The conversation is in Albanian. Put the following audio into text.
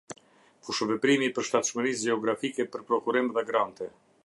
Fushëveprimi i përshtatshmërisë gjeografike për prokurim dhe grante.